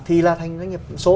thì là thành doanh nghiệp số